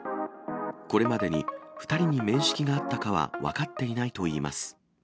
これまでに、２人に面識があったかは分かっていないといいます。